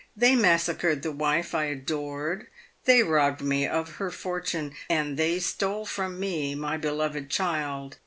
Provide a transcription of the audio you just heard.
They massacred the wife I adored, they robbed me of her fortune, and they stole from me my beloved child.